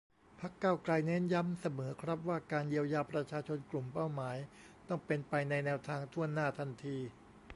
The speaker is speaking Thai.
พรรค ก้าวไกล เน้นย้ำเสมอครับว่า การเยียวยาประชาชนกลุ่มเป้าหมาย ต้องเป็นไปในแนวทาง ถ้วนหน้า ทันที